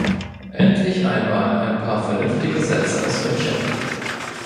Endlich einmal ein paar vernünftige Sätze aus München.